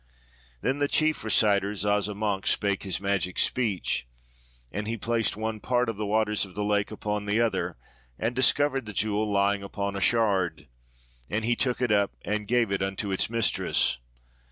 "' Then the chief reciter Zazamankh spake his magic speech. And he placed one part of the waters of the lake upon the other, and dis covered the jewel lying upon a shard; and he took it up and gave it unto its mistress.